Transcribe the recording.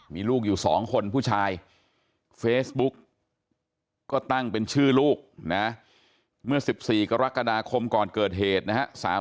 มีลูกอยู่๒คนผู้ชายเฟซบุ๊กก็ตั้งเป็นชื่อลูกนะเมื่อ๑๔กรกฎาคมก่อนเกิดเหตุนะฮะ